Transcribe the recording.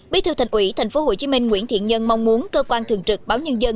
bí thư thành ủy tp hcm nguyễn thiện nhân mong muốn cơ quan thường trực báo nhân dân